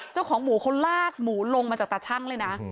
เจ้าของหมูเขาลากหมูลงมาจากตาชั่งเลยนะ